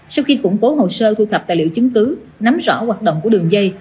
sau khi củng cố hồ sơ thu thập tài liệu chứng cứ nắm rõ hoạt động của đường dây